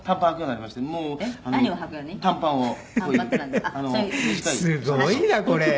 すごいなこれ。